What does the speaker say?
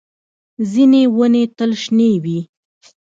ځینې ونې تل شنې وي